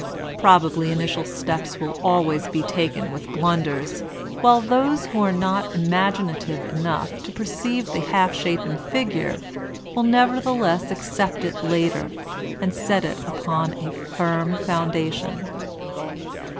Probably initial steps will always be taken with blunders, while those who are not imaginative enough to perceive the half shapen figure will nevertheless accept it later and set it upon a firm foundation.